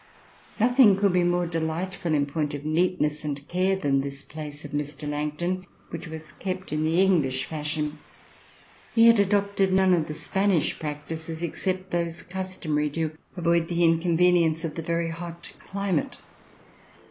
Nothing could be more delightful in point of neat ness and care than this place of Mr. Langton, which was kept in the English fashion. He had adopted none of the Spanish practices except those customary to avoid the inconvenience of the very hot climate.